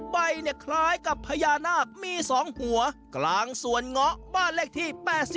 ใบเนี่ยคล้ายกับพญานาคมี๒หัวกลางสวนเงาะบ้านเลขที่๘๔